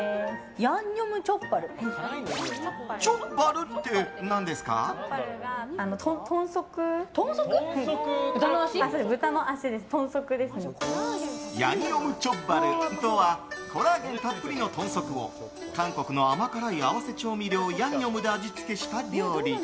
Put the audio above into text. ヤンニョムチョッバルとはコラーゲンたっぷりの豚足を韓国の甘辛い合わせ調味料ヤンニョムで味付けした料理。